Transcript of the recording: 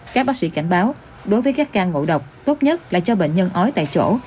các bác sĩ cảnh báo đối với các can ngộ độc tốt nhất là cho bệnh nhân ói tại chỗ